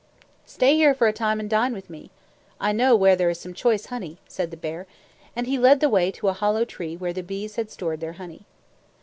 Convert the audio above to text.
"Stay here for a time and dine with me. I know where there is some choice honey," said the bear, and he led the way to a hollow tree where the bees had stored their honey.